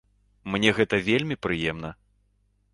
Мне гэта вельмі прыемна.